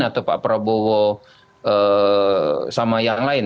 atau pak prabowo sama yang lain